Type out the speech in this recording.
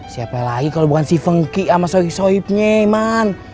siapa lagi kalau bukan si fengki sama sohib sohibnya man